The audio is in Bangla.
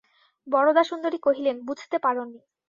বরদাসুন্দরী কহিলেন, বুঝতে পার নি!